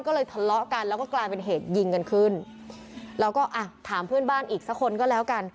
ก็เลยทะเลาะกันแล้วก็กลายเป็นเหตุยิงกันขึ้นแล้วก็อ่ะถามเพื่อนบ้านอีกสักคนก็แล้วกัน